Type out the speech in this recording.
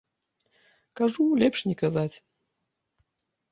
Кажу, лепш не казаць!